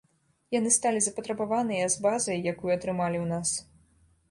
Яны сталі запатрабаваныя з базай, якую атрымалі ў нас.